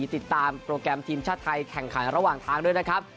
ติดตามโปรแกรมทีมชาติไทยแข่งขันระหว่างทางด้วยนะครับ